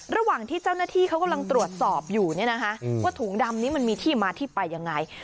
ระหว่างที่เจ้าหน้าที่เขากำลังตรวจสอบอยู่เนี่ยนะคะว่าถุงดำนี้มันมีที่มาที่ไปยังไง